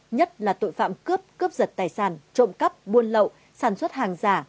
nhất là tội phạm cướp cướp giật tài sản trộm cắp buôn lậu sản xuất hàng giả